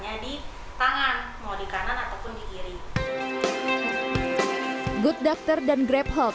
di pembuluh darah besar biasanya di tangan mau di kanan ataupun di kiri good doctor dan grabhub